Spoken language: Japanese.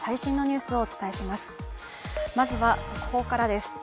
まずは速報からです。